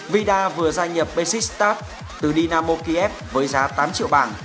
vida vừa gia nhập besiktas từ dynamo kiev với giá tám triệu bảng